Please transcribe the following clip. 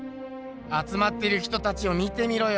あつまってる人たちを見てみろよ。